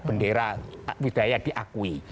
bendera budaya diakui